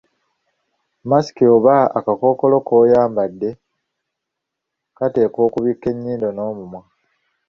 Masiki oba akakookolo k'oyambadde kateekwa okubikka ennyindo n’omumwa.